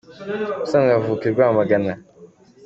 Ubusanzwe avuka i Rwamagana.